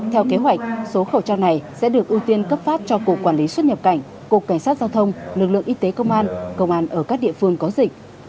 theo kế hoạch số khẩu trang này sẽ được ưu tiên cấp phát cho cục quản lý xuất nhập cảnh cục cảnh sát giao thông lực lượng y tế công an công an ở các địa phương có dịch